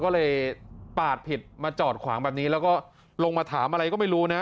ก็เลยปาดผิดมาจอดขวางแบบนี้แล้วก็ลงมาถามอะไรก็ไม่รู้นะ